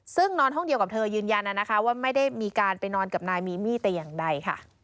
ซึ่งนอนห้องเดียวกับเธอยืนยันว่าไม่ได้มีการไปนอนกับนายมีมี่แต่อย่างใดค่ะ